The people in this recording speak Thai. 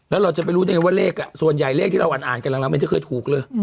แล้วเราจะไปรู้ได้ไงว่าเลขส่วนใหญ่เลขที่เราอ่านกันหลังมันจะเคยถูกเลย